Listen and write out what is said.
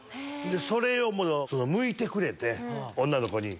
それをむいてくれて女の子に。